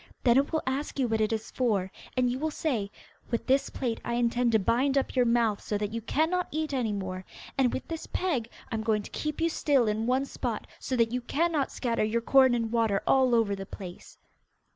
Then it will ask you what it is for, and you will say, 'With this plait I intend to bind up your mouth so that you cannot eat any more, and with this peg I am going to keep you still in one spot, so that you cannot scatter your corn and water all over the place!